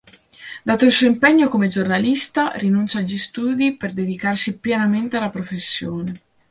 Dato il suo impegno come giornalista, rinuncia agli studi per dedicarsi pienamente alla professione.